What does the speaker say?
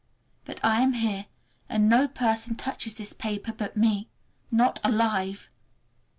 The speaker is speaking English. But I am here, and no person touches this paper but me—not alive!